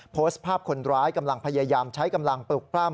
โพสต์ภาพคนร้ายกำลังพยายามใช้กำลังปลุกปล้ำ